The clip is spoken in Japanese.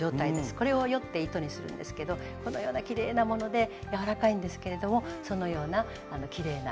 これをよって糸にするんですけどこのようなきれいなもので柔らかいんですけれどもそのようなきれいなハンカチができます。